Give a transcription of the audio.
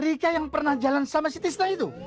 rika yang pernah jalan sama si tisna itu